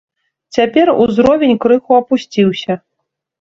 Цяпер узровень крыху апусціўся.